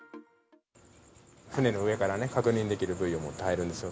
船の上から確認できるブイを持って入るんですよ。